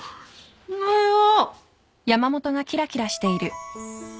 おはよう。